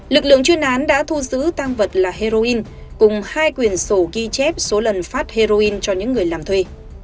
lực lượng chuyên án đã thu giữ tăng vật là heroin cùng hai quyền sổ ghi chép số lần phát heroin cho những người làm thuê